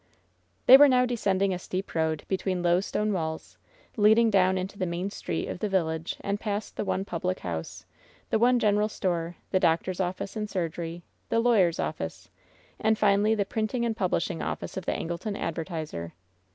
They were now descending a steep road, between low stone walls, leading down into the main street of the «10 LOVE'S BITTEREST CUP village and past the one public house, the one general store, the doctor^s office and surgery, the lawyer's office, and finally the printing and publishing office of the Angleton Advertiser.